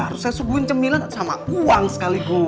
harus saya subuhin cemilan sama uang sekaligus